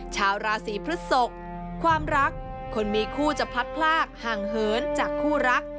ชาวราศีพฤศกความรักคนมีคู่จะพลัดพลากห่างเหินจากคู่รัก